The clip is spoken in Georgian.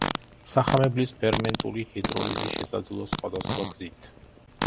სახამებლის ფერმენტული ჰიდროლიზი შესაძლოა სხვადასხვა გზით.